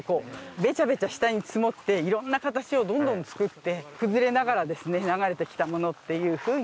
べちゃべちゃ下に積もっていろんな形をどんどんつくって崩れながら流れてきたものというふうに。